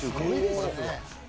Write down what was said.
すごいですね。